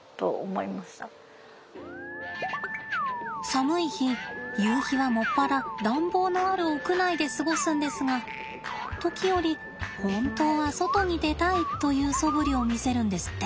寒い日ゆうひは専ら暖房のある屋内で過ごすんですが時折本当は外に出たいというそぶりを見せるんですって。